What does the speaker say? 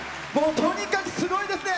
とにかくすごいですね！